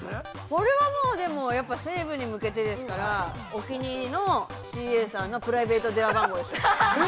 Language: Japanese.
◆これは、やっぱセレブに向けてですからお気に入りのＣＡさんのプライベート電話番号でしょう。